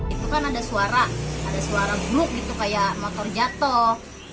itu kan ada suara ada suara grup gitu kayak motor jatuh